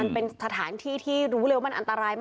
ขอบคุณครับ